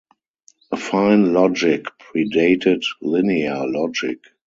Affine logic predated linear logic.